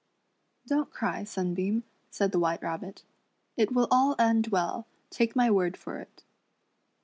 " Don't cry. Sunbeam," said the White Rabbit, " it will all end well ; take my word for it."